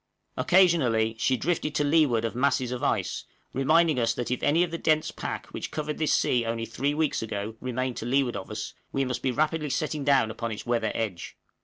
Occasionally she drifted to leeward of masses of ice, reminding us that if any of the dense pack which covered this sea only three weeks ago remained to leeward of us, we must be rapidly setting down upon its weather edge.